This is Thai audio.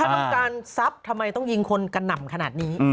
ถ้าต้องการทรัพย์ทำไมต้องยิงคนกระหน่ำขนาดนี้